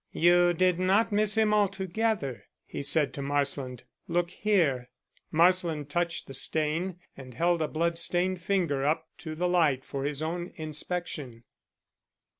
"You did not miss him altogether," he said to Marsland. "Look here." Marsland touched the stain and held a blood stained finger up to the light for his own inspection.